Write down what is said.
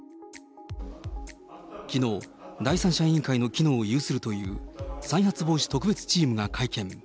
きのう、第三者委員会の機能を有するという再発防止特別チームが会見。